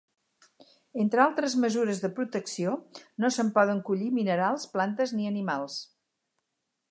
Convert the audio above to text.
Entre altres mesures de protecció, no se'n poden collir minerals, plantes ni animals.